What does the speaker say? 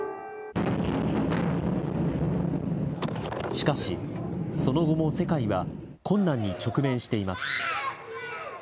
しかし、その後も世界は困難に直面しています。